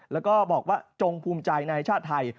แล้วก็บอกว่าจงภูมิใจในชาติไทย